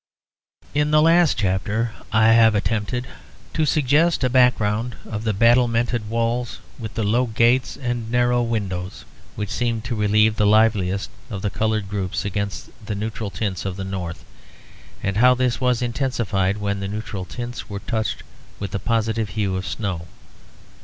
In the last chapter I have attempted to suggest a background of the battlemented walls with the low gates and narrow windows which seem to relieve the liveliest of the coloured groups against the neutral tints of the North, and how this was intensified when the neutral tints were touched with the positive hue of snow.